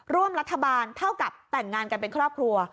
ร่วมรัฐบาลเท่ากับแต่งงานกันเป็นครอบครัว